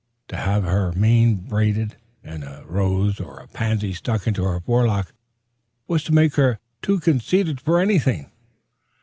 To have her mane braided, and a rose or a pansy stuck into her forelock, was to make her too conceited for anything.